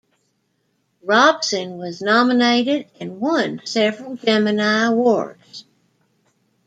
Robson was nominated and won several Gemini Awards.